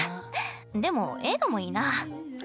でも映画もいいな。